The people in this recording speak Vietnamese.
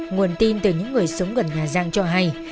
nguồn tin từ những người sống gần nhà giang cho hay